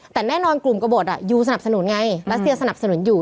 แต่แน่นอนกลุ่มกระบดยูสนับสนุนไงรัสเซียสนับสนุนอยู่